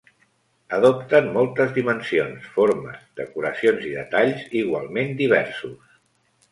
Adopten moltes dimensions, formes, decoracions i detalls igualment diversos.